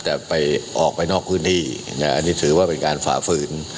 แต่ไปออกไปนอกพื้นที่อันนี้ถือว่าเป็นการฝ่าฝืน